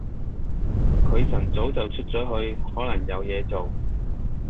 佢晨早就出咗去，可能有嘢做